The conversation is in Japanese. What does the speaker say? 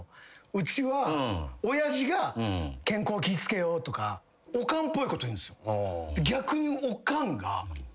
うちは親父が「健康気ぃ付けよ」とかおかんっぽいこと言うんですよ。